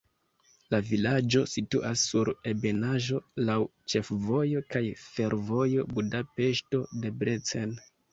La vilaĝo situas sur ebenaĵo, laŭ ĉefvojo kaj fervojo Budapeŝto-Debrecen.